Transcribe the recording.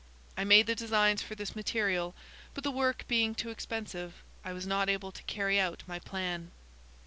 I made the designs for this material, but the work being too expensive I was not able to carry out my plan.